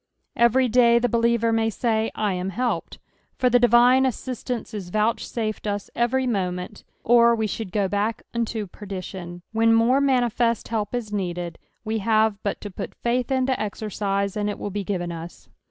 Everj day the believer may ctty, "I am helped," for the divine aseistance is vouchsafed us every moment, or we should go back unto perdition ; when more manifest help ia needed, we hare bnt to put faith into ezeTcise, and it will be given us.